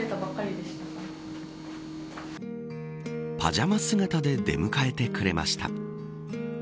パジャマ姿で出迎えてくれました。